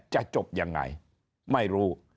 จะจบยังไงไม่รู้